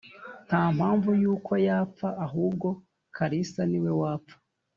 ntampamvu yuko yapfa ahubwo kalisa niwe wapfa."